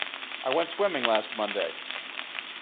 I went swimming last Monday.